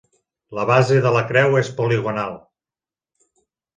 La base de la creu és poligonal.